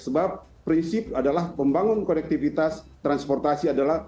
sebab prinsip adalah pembangun konektivitas transportasi adalah